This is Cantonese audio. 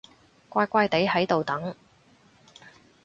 乖乖哋喺度等